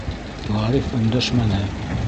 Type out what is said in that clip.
Ғариф өндәшмәне.